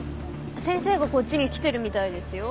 先生がこっちに来てるみたいですよ。